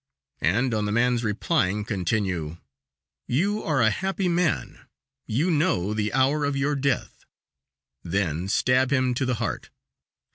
and, on the man's replying, continue: "You are a happy man; you know the hour of your death," then stab him to the heart.